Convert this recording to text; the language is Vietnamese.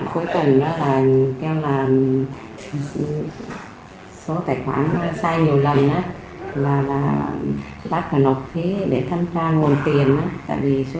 cuối cùng là kêu là số tài khoản sai nhiều lần là bác nộp phí để tham gia